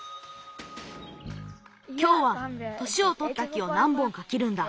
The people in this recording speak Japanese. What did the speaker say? きょうは年をとった木をなんぼんかきるんだ。